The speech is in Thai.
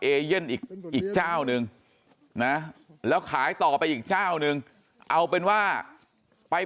เอเย่นอีกอีกเจ้านึงนะแล้วขายต่อไปอีกเจ้านึงเอาเป็นว่าไป